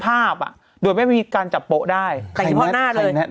แอปโตอยู่ในเพจโตแหละ